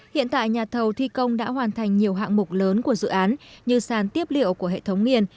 hiện tại nhà thầu thi công đã hoàn thành nhiều hạng mục lớn của dự án như sàn tiếp liệu của hệ thống nghiền